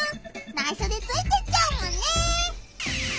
ないしょでついてっちゃうもんね！